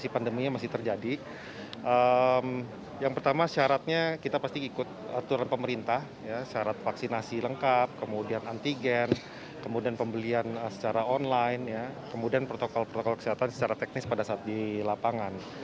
pembelian secara online kemudian protokol protokol kesehatan secara teknis pada saat di lapangan